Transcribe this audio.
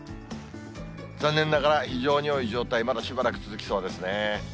残念ながら、非常に多い状態、まだしばらく続きそうですね。